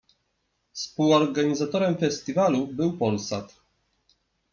Współorganizatorem festiwalu był Polsat.